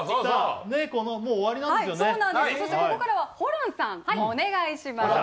ここからはホランさん、お願いします。